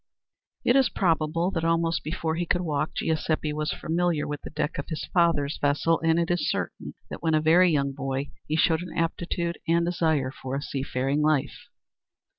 It is probable that almost before he could walk Giuseppe was familiar with the deck of his father's vessel, and it is certain that when a very young boy he showed an aptitude and desire for a seafaring life.